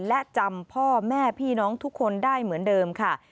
และจำพ่อแม่พี่น้องทุกคนได้เหมือนเดิมค่ะ